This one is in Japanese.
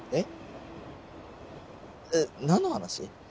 えっ？何の話？